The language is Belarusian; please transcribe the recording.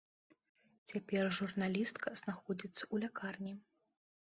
Цяпер журналістка знаходзіцца ў лякарні.